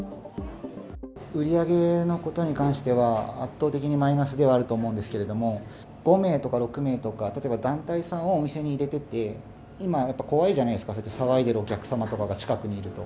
売り上げのことに関しては、圧倒的にマイナスではあると思うんですけれども、５名とか６名とか、例えば団体さんをお店に入れてて、今、やっぱり怖いじゃないですか、騒いでるお客様とかが近くにいると。